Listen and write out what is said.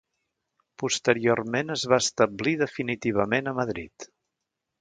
Posteriorment es va establir definitivament a Madrid.